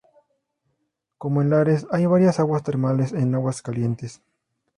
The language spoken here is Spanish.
Como en Lares, hay varias aguas termales en Aguas Calientes.